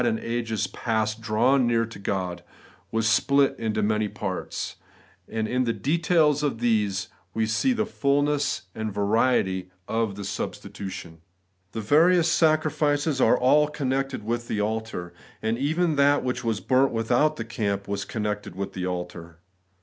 in ages past drawn near to God, was split into many parts ; and in the details of these we see the fulness and variety of the substitution. The various sacrifices are all connected with the altar ; and even that which was ' burnt without the camp' was connected with the altar.